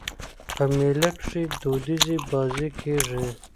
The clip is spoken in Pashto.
په مېله کښي دودیزي بازۍ کېږي.